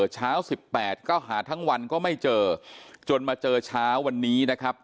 เช้า๑๘ก็หาทั้งวันก็ไม่เจอจนมาเจอเช้าวันนี้นะครับ